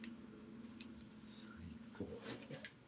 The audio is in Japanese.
最高。